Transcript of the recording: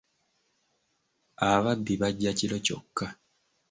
Ababbi bajja kiro kyokka.